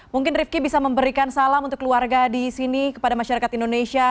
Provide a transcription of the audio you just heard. mungkin rifki bisa memberikan salam untuk keluarga di sini kepada masyarakat indonesia